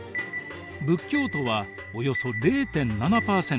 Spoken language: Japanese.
仏教徒はおよそ０．７％。